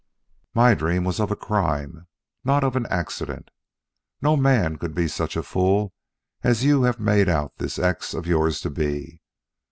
"My dream was of a crime, not of an accident. No man could be such a fool as you have made out this X of yours to be.